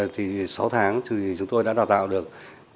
thì sáu tháng thì chúng tôi đã đào tạo được